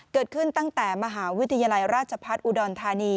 เกิดขึ้นตั้งแต่มหาวิทยาลัยราชพัฒน์อุดรธานี